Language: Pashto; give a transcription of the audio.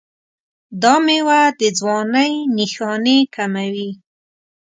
دا میوه د ځوانۍ نښانې کموي.